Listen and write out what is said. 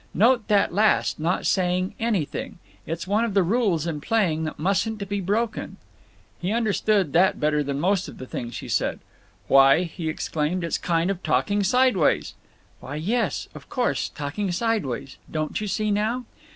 Note that last—not saying anything! It's one of the rules in playing that mustn't be broken." He understood that better than most of the things she said. "Why," he exclaimed, "it's kind of talking sideways." "Why, yes. Of course. Talking sideways. Don't you see now?"